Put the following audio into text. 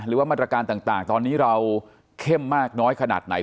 หรือว่ามาตรการต่างตอนนี้เราเข้มมากน้อยขนาดไหน